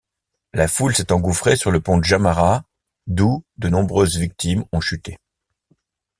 La foule s'est engouffrée sur le Pont Djamarat d'où de nombreuses victimes ont chuté.